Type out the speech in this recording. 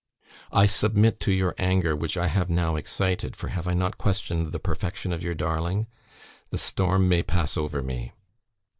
"I submit to your anger, which I have now excited (for have I not questioned the perfection of your darling?); the storm may pass over me.